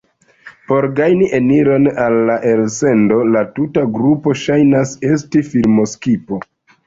Por gajni eniron al la elsendo, la tuta grupo ŝajnas esti filmo-skipo.